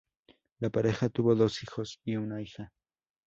La pareja tuvo dos hijos y una hija.